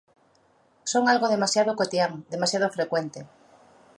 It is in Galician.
Son algo demasiado cotián, demasiado frecuente.